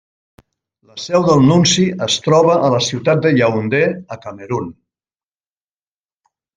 La seu del nunci es troba a la ciutat de Yaoundé a Camerun.